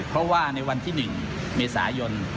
เพราะว่าในวันที่๑เมษายน